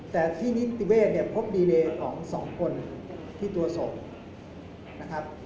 แต่ที่นิติเวทพบดีเนยของ๒คนที่ตัวศพ